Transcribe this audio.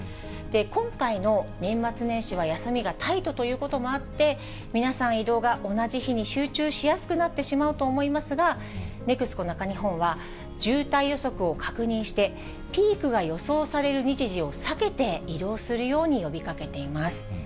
今回の年末年始は休みがタイトということもあって、皆さん、移動が同じ日に集中しやすくなってしまうと思いますが、ＮＥＸＣＯ中日本は、渋滞予測を確認して、ピークが予想される日時を避けて移動するように呼びかけています。